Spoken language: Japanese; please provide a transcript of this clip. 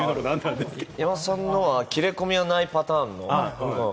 山里さんのは切れ込みがないパターンの。